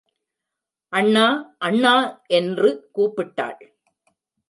அண்ணா அண்ணா! என்று கூப்பிட்டாள்.